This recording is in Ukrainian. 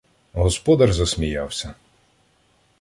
Господар засміявся: